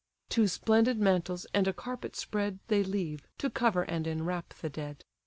Two splendid mantles, and a carpet spread, They leave: to cover and enwrap the dead.